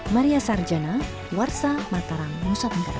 maria sarjana warsa mataram nusantara